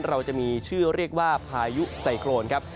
เราจะมีชื่อเรียกว่าพายุไซโครนครับ